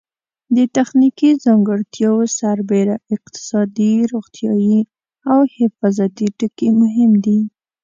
د تخنیکي ځانګړتیاوو سربېره اقتصادي، روغتیایي او حفاظتي ټکي مهم دي.